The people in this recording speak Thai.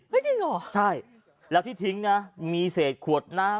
จริงเหรอใช่แล้วที่ทิ้งนะมีเศษขวดน้ำ